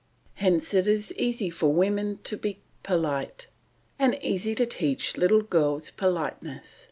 Hence it is easy for women to be polite, and easy to teach little girls politeness.